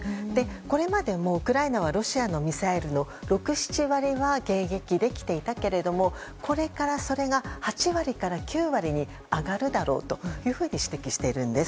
これまでもウクライナはロシアのミサイルの６７割は迎撃できていたけれどもこれから、それが８割から９割に上がるだろうというふうに指摘しているんです。